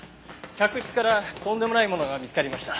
客室からとんでもないものが見つかりました。